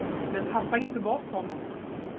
Men tappa inte bort honom!